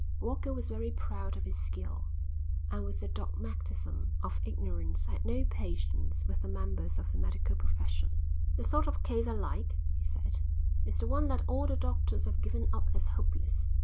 Walker was very proud of his skill, and with the dogmatism of ignorance had no patience with the members of the medical profession. "The sort of case I like," he said, "is the one that all the doctors have given up as hopeless.